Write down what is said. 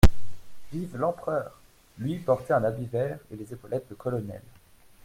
«Vive l'Empereur !» Lui portait un habit vert et les épaulettes de colonel.